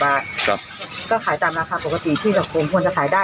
ครับก็ขายตามราคาปกติที่สังคมควรจะขายได้